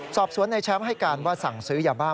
สอบสวนในแชมป์ให้การว่าสั่งซื้อยาบ้า